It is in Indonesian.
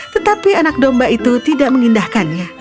tetapi anak domba itu tidak mengindahkannya